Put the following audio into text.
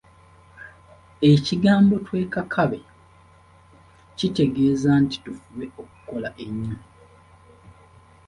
Ekigambo 'twekakabe' kitegeeza nti tufube okukola ennyo.